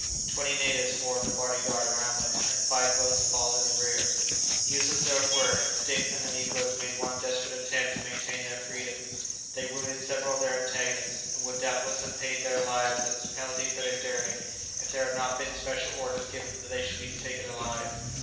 Twenty natives formed a body guard around them, and five boats followed in their rear. Useless though it were, Dick and the negroes made one desperate attempt to maintain their freedom; they wounded several of their antagonists, and would doubtless have paid their lives as a penalty for their daring, if there had not been special orders given that they should be taken alive.